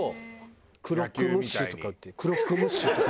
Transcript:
クロックムッシュとか売ってクロックムッシュとか。